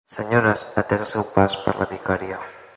Senyores, atès el seu pas per la vicaria.